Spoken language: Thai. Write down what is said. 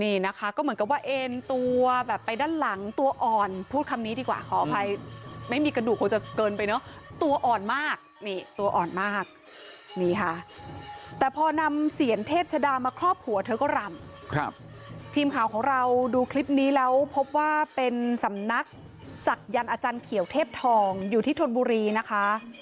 นี่นะคะก็เหมือนกันว่าเอ็นตัวแบบไปด้านหลังตัวอ่อนพูดคำนี้ดีกว่าขออภัยไม่มีกระดูกกว่าจะเกินไปเนาะตัวอ่อนมากนี่ตัวอ่อนมากนี่ค่ะ